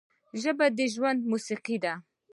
ژبه د ژوند موسیقي ده